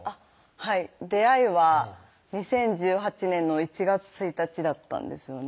はい出会いは２０１８年の１月１日だったんですよね